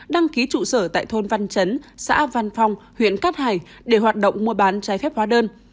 đăng ký trụ sở tại thôn văn chấn xã văn phong huyện cát hải để hoạt động mua bán trái phép hóa đơn